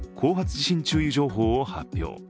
地震注意情報を発表。